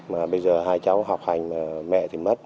mà bây giờ hai cháu học hành mà mẹ thì mất